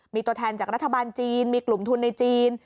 มีตัวแทนจากรัฐบาลจีนมีกลุ่มทุนในจีน